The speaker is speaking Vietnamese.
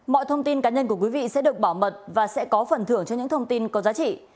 mọi thông tin cá nhân của quý vị sẽ được bảo mật và sẽ có phần thưởng cho những thông tin có giá trị